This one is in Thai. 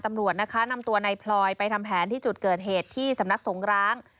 ตำรวจนะคะนำตัวในพลอยไปทำแผนที่จุดเกิดเหตุที่สำนักสงร้าง